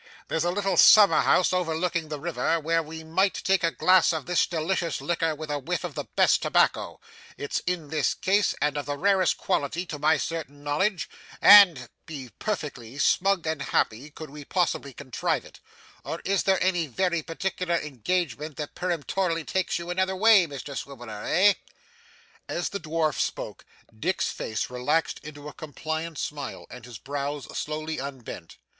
There's a little summer house overlooking the river, where we might take a glass of this delicious liquor with a whiff of the best tobacco it's in this case, and of the rarest quality, to my certain knowledge and be perfectly snug and happy, could we possibly contrive it; or is there any very particular engagement that peremptorily takes you another way, Mr Swiveller, eh?' As the dwarf spoke, Dick's face relaxed into a compliant smile, and his brows slowly unbent.